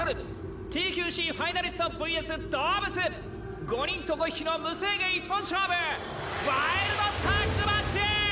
ＴＱＣファイナリストＶＳ動物５人と５匹の無制限一本勝負ワイルドタッグマッチ！